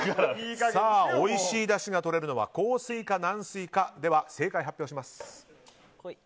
おいしいだしがとれるのは硬水か軟水か、正解発表します。